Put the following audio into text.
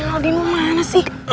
naldi mana sih